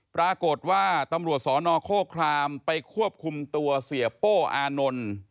ปรากฏว่าตำรวจสนโฆครามไปควบคุมตัวเสียโป้อานนท์